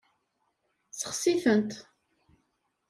Sexsi-tent.